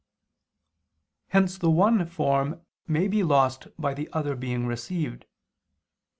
Hence the one form may be lost by the other being received.